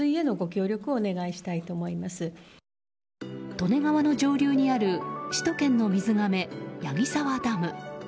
利根川の上流にある首都圏の水がめ、矢木沢ダム。